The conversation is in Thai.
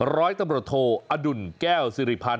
ร้อยตำรวจโทอดุลแก้วสิริพันธ